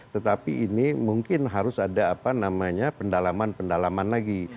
tetapi ini mungkin harus ada pendalaman pendalaman lagi